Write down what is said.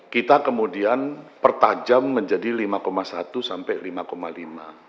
kita kemudian pertajam menjadi lima satu sampai lima lima